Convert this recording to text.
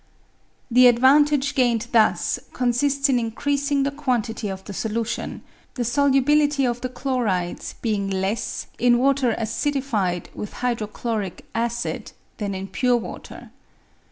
The advantage gained thus consists in increasing the quantity of the solution, the solubility of the chlorides being less in water acidified with hydrochloric acid than in pure \vater.